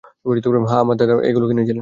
হ্যাঁ, আমার দাদা এগুলো কিনেছিলেন।